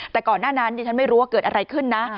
แต่ก่อนหน้านั้นดิฉันไม่รู้ว่าเกิดอะไรขึ้นนะ